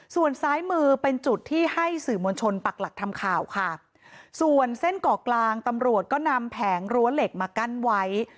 ส่วนซ้ายมือเป็นจุดที่ให้สื่อมวลชนปักหลักทำข่าวค่ะส่วนเส้นเกาะกลางตำรวจก็นำแผงรั้วเหล็กมากั้นไว้